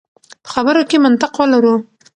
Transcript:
په خبرو کې منطق ولرو.